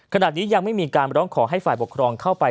ขณะนี้ยังไม่มีการร้องขอให้ฝ่ายปกครองเข้าไป